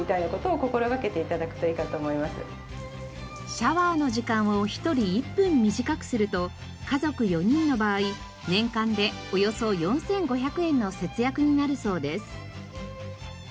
シャワーの時間を１人１分短くすると家族４人の場合年間でおよそ４５００円の節約になるそうです。